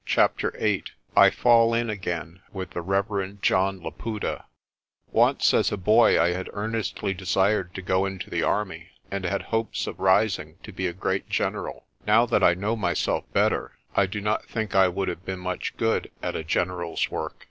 CHAPTER VIII I FALL IN AGAIN WITH THE REVEREND JOHN LAPUTA ONCE as a boy I had earnestly desired to go into the army, and had hopes of rising to be a great general. Now that I know myself better I do not think I would have been much good at a general's work.